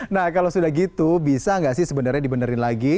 nah kalau sudah gitu bisa nggak sih sebenarnya dibenerin lagi